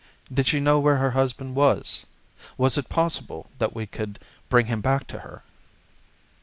Did she know where her husband was? Was it possible that we could bring him back to her?